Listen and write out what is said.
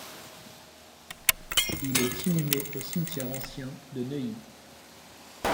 Il est inhumé au cimetière ancien de Neuilly.